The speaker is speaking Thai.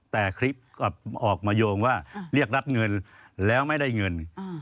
แต่คลิปก็ออกมาโยงว่าเรียกรับเงินแล้วไม่ได้เงิน